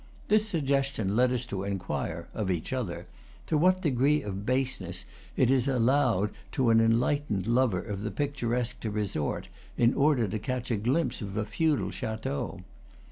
This suggestion led us to inquire (of each other) to what degree of baseness it is allowed to an enlightened lover of the picturesque to resort, in order to catch a glimpse of a feudal chateau.